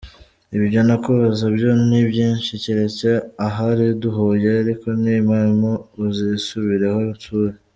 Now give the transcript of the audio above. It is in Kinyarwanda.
Ibyo nakubaza byo ni byinshi keretse ahari duhuye, ariko ni impamo uzisubireho unsure.